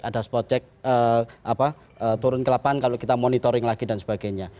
ada spot check turun ke lapangan kalau kita monitoring lagi dan sebagainya